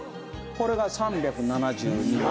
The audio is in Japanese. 「これが３７２万」